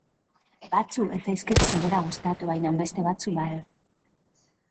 Batzu ez zaizkit sobera gustatu bainan beste batzu bai.